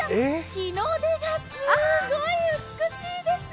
日の出がすっごい美しいです。